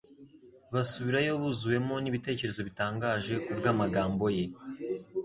Basubirayo buzuwemo n'ibitekerezo bitangaje kubw'amagambo ye,